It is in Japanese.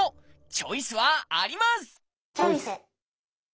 チョイス！